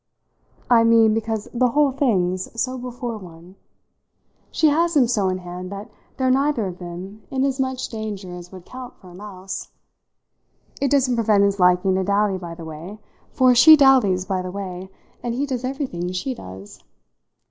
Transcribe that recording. "I mean because the whole thing's so before one. She has him so in hand that they're neither of them in as much danger as would count for a mouse. It doesn't prevent his liking to dally by the way for she dallies by the way, and he does everything she does.